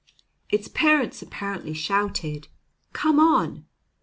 Its parents apparently shouted, "Come on!"